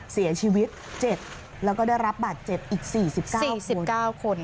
เสียชีวิต๗แล้วก็ได้รับบาดเจ็บอีก๔๙คน